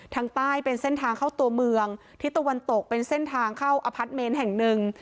ทางใต้เป็นเส้นทางเข้าตัวเมืองทิศตะวันตกเป็นเส้นทางเข้าอพาร์ทเมนต์แห่งหนึ่ง